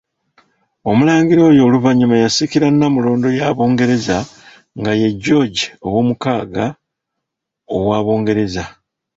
Omulangira oyo oluvannyuma yasikira Nnamulondo ya Bungereza, nga ye George VI owa Bungereza.